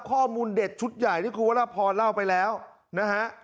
ข้อมูลเด็ดชุดใหญ่ที่คุณวรพรเล่าไปแล้วนะฮะ